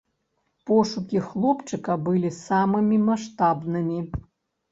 Пошукі хлопчыка былі самымі маштабнымі.